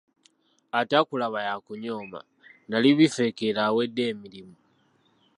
Ataakulaba y'akuyooma. Nali bifekeera awedde emirimu.